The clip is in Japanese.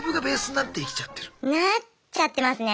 なっちゃってますね。